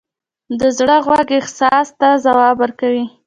د زړه غوږ احساس ته ځواب ورکوي.